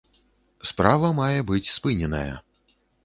Справа мае быць спыненая.